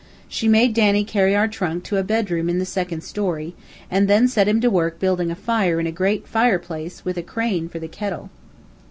She made Danny carry our trunk to a bedroom in the second story, and then set him to work building a fire in a great fire place, with a crane for the kettle.